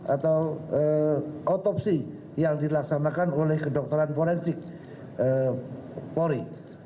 atau otopsi yang dilaksanakan oleh kedokteran forensik polri